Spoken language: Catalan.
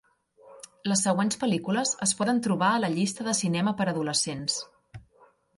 Les següents pel·lícules es poden trobar a la llista de cinema per a adolescents.